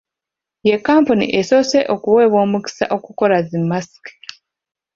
Ye kampuni esoose okuweebwa omukisa okukola zi masiki.